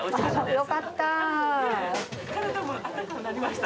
よかった。